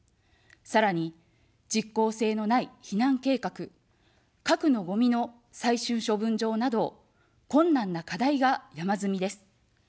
さらに、実効性のない避難計画、核のごみの最終処分場など、困難な課題が山積みです。